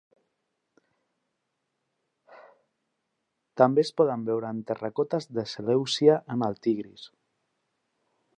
També es poden veure en terracotes de Seleucia en el Tigris.